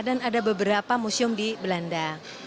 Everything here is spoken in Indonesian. dan ada beberapa museum di belanda